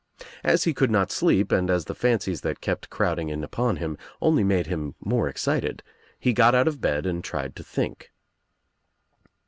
As he could not sleep and as the fancies that kept crowd ing in upon him only made him more excited, he got out of bed and tried to think.